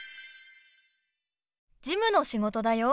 事務の仕事だよ。